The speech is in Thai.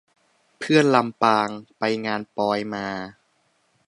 เพื่อน ลำปาง : ไปงานปอยมา